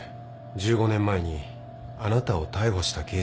１５年前にあなたを逮捕した刑事です。